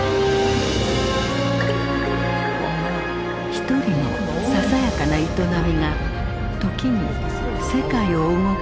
ひとりのささやかな営みが時に世界を動かすことがある。